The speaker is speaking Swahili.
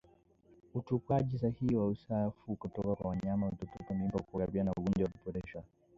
Utupwaji sahihi wa uchafu kutoka kwa wanyama waliotupa mimba hukabiliana na ugonjwa wa Brusela